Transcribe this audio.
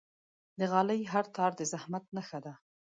د غالۍ هر تار د زحمت نخښه ده.